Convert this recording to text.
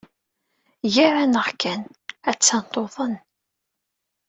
Gar-aneɣ kan, attan tuḍen.